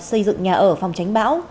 xây dựng nhà ở phòng tránh bão